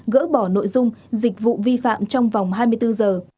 gỡ bỏ nội dung dịch vụ vi phạm trong vòng hai mươi bốn giờ